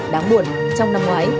đáng buồn trong năm ngoái